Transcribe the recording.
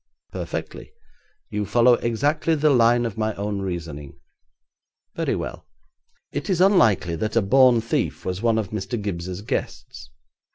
'Perfectly. You follow exactly the line of my own reasoning.' 'Very well. It is unlikely that a born thief was one of Mr. Gibbes's guests.